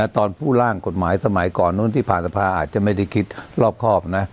ตอนพูดล่าของเกะหมายก่อนอาจจะไม่คิดรอบครอบ